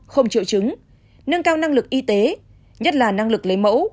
không triệu chứng nâng cao năng lực y tế nhất là năng lực lấy mẫu